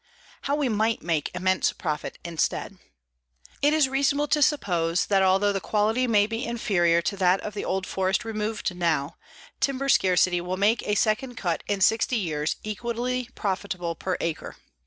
HOW WE MIGHT MAKE IMMENSE PROFIT INSTEAD. It is reasonable to suppose that, although the quality may be inferior to that of the old forest removed now, timber scarcity will make a second cut in sixty years equally profitable per acre.